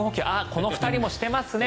この２人もしていますね。